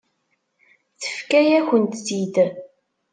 Tefka-yakent-tt-id.